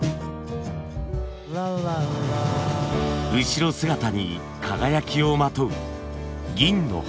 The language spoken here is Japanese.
後ろ姿に輝きをまとう銀の花。